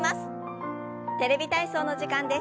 「テレビ体操」の時間です。